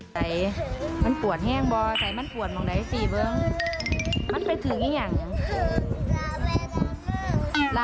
ราเป่ดำหน้ามากเหรอ